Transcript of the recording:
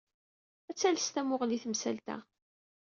Ad tales tamuɣli i temsalt-a.